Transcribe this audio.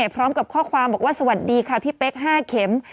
พร้อมกับข้อความบอกว่าสวัสดีค่ะพี่เป๊ก๕เข็ม